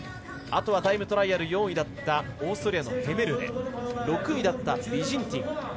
あとタイムトライアル４位だったオーストリアのヘメルレ６位だったビジンティン